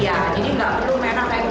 iya jadi gak perlu main main